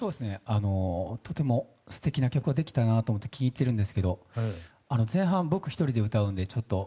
とても素敵な曲ができたなと思って聴いているんですけど前半、朴１人で歌うんですけど。